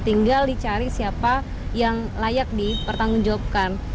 tinggal dicari siapa yang layak dipertanggungjawabkan